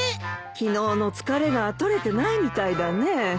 昨日の疲れがとれてないみたいだね。